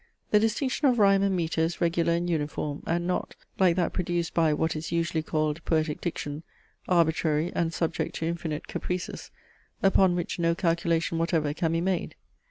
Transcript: "The distinction of rhyme and metre is regular and uniform, and not, like that produced by (what is usually called) poetic diction, arbitrary, and subject to infinite caprices, upon which no calculation whatever can be made.